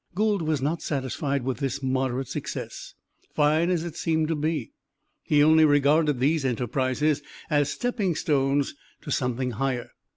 Gould was not satisfied with this moderate success, fine as it seemed to be; he only regarded these enterprises as stepping stones to something higher.